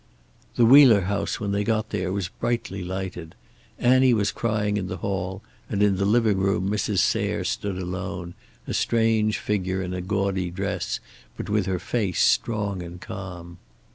The Wheeler house, when they got there, was brightly lighted. Annie was crying in the hall, and in the living room Mrs. Sayre stood alone, a strange figure in a gaudy dress, but with her face strong and calm.